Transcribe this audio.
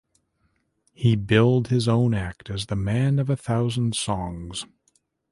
He billed his own act as the "man of a thousand songs".